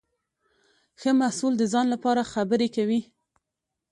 ښه محصول د ځان لپاره خبرې کوي.